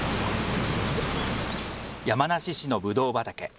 山梨市のぶどう畑。